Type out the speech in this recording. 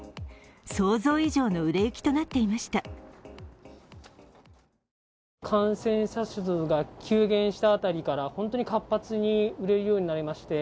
想像以上の売れ行きとなっていました。